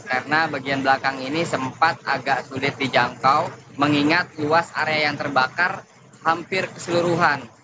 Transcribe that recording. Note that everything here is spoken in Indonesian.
karena bagian belakang ini sempat agak sulit dijangkau mengingat luas area yang terbakar hampir keseluruhan